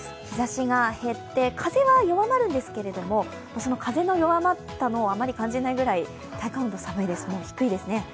日ざしが減って、風は弱まるんですけれども、その風の弱まったのをあまり感じないくらい体感温度低いです。